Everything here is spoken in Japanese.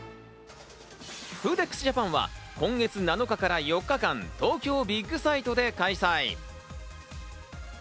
フーデックスジャパンは今月７日から４日間、東京ビッグサイトで開催。